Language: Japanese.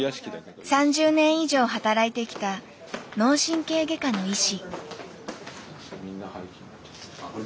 ３０年以上働いてきた脳神経外科の医師。